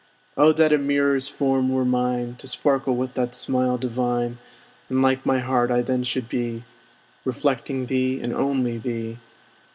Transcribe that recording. Oh that a mirror's form were mine, To sparkle with that smile divine; And like my heart I then should be, Reflecting thee, and only thee!